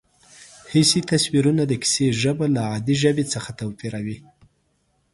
حسي تصویرونه د کیسې ژبه له عادي ژبې څخه توپیروي